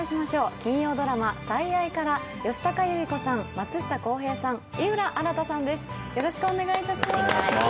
金曜ドラマ「最愛」から吉高由里子さん、松下洸平さん、井浦新さんです。